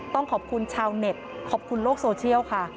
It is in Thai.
ต้องขอบคุณชาวเน็ตขอบคุณโลกโซเชียลค่ะ